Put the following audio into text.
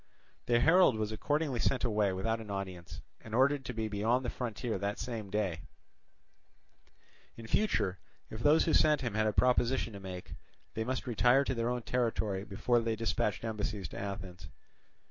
The herald was accordingly sent away without an audience, and ordered to be beyond the frontier that same day; in future, if those who sent him had a proposition to make, they must retire to their own territory before they dispatched embassies to Athens.